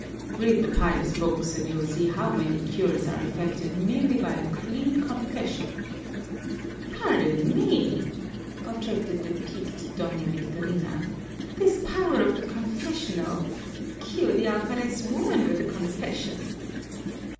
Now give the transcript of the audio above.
Read the pious books and you'll see how many cures are effected merely by a clean confession." "Pardon me," objected the piqued Doña Victorina, "this power of the confessional cure the alferez's woman with a confession!"